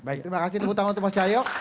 baik terima kasih teman teman untuk mas caryo